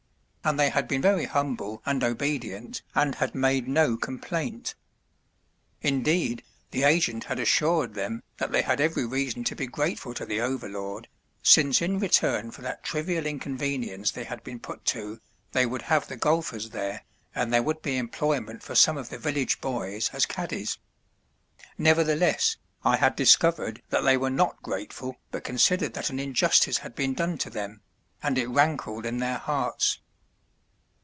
And they had been very humble and obedient and had made no complaint. Indeed, the agent had assured them that they had every reason to be grateful to the overlord, since in return for that trivial inconvenience they had been put to they would have the golfers there, and there would be employment for some of the village boys as caddies. Nevertheless, I had discovered that they were not grateful but considered that an injustice had been done to them, and it rankled in their hearts.